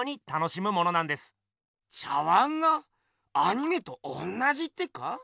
茶碗がアニメとおんなじってか？